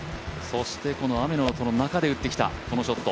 そして雨のこの中で打ってきた、このショット。